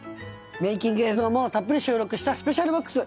メイキング映像もたっぷり収録したスペシャルＢＯＸ。